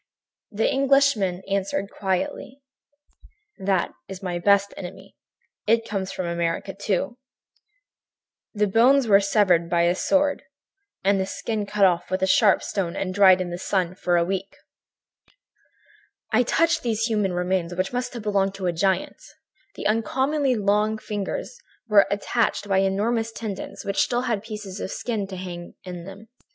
"The Englishman answered quietly: "'That is my best enemy. It comes from America, too. The bones were severed by a sword and the skin cut off with a sharp stone and dried in the sun for a week.' "I touched these human remains, which must have belonged to a giant. The uncommonly long fingers were attached by enormous tendons which still had pieces of skin hanging to them in places.